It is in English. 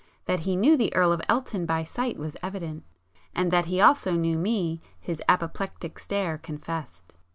That he knew the Earl of Elton by sight was evident, and that he also knew me his apoplectic stare confessed.